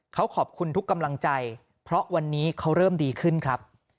เขาขอบคุณทุกกำลังใจเพราะวันนี้เขาเริ่มดีขึ้นครับ